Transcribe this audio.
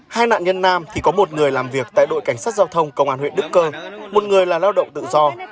hai nạn nhân nam thì có một người làm việc tại đội cảnh sát giao thông công an huyện đức cơ một người là lao động tự do